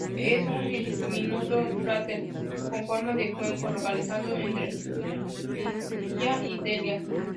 Es un diminuto cráter con forma de cuenco, localizado entre Priscilla y Delia.